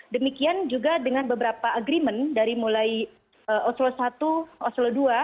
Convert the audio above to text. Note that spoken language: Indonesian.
demikian juga dengan beberapa agreement dari mulai oslo satu oslo dua